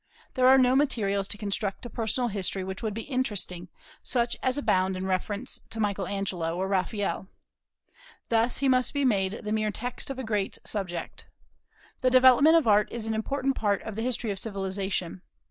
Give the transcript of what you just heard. There are no materials to construct a personal history which would be interesting, such as abound in reference to Michael Angelo or Raphael. Thus he must be made the mere text of a great subject. The development of Art is an important part of the history of civilization.